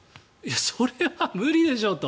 それは無理でしょうと。